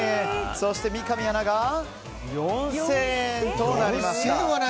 そして、三上アナが４０００円となりました。